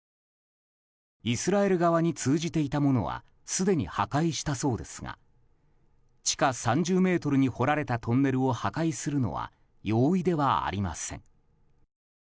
イスラエル側に通じていたものはすでに破壊したそうですが地下３０ｍに掘られたトンネルを破壊するのは容易ではありません。